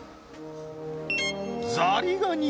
ザリガニ